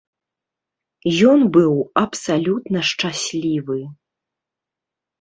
Ён быў абсалютна шчаслівы.